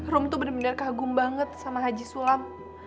rum tuh bener bener kagum banget sama haji sulam